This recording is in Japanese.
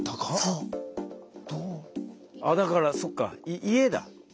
あだからそっか家だ。